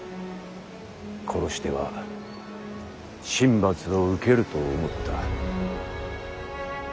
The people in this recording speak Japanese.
殺しては神罰を受けると思った。